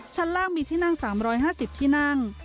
ชั้นล่างมีที่นั่ง๓๕๐ที่นั่ง